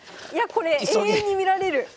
いやこれ永遠に見られる。